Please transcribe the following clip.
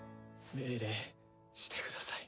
命令してください。